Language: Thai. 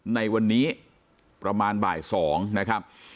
ในวันนี้ประมาณบ่าย๒นะครับ